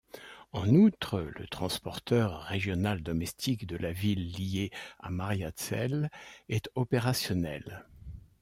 En outre, le transporteur régional domestique de la ville liée à Mariazell est opérationnel.